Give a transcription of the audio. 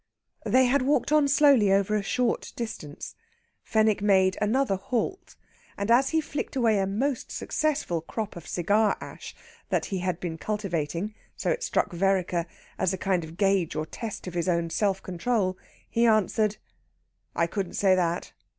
They had walked on slowly again a short distance. Fenwick made another halt, and as he flicked away a most successful crop of cigar ash that he had been cultivating so it struck Vereker as a kind of gauge or test of his own self control, he answered: "I couldn't say that.